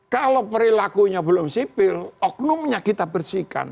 kalau perilakunya belum sipil oknumnya kita bersihkan